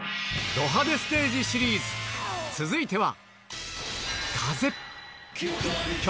ド派手ステージシリーズ、続いては。